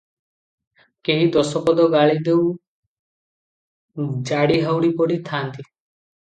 କେହି ଦଶ ପଦ ଗାଳି ଦେଉ ଜାଡ଼ି ହାଉଡ଼ି ପରି ଥାଆନ୍ତି ।